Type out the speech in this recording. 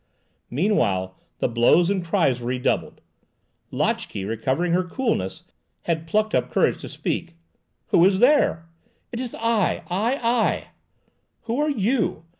Meanwhile, the blows and cries were redoubled. Lotchè, recovering her coolness, had plucked up courage to speak. "Who is there?" "It is I! I! I!" "Who are you?"